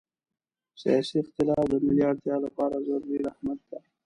سیاسي اختلاف د ملي اړتیا لپاره ضروري رحمت ده.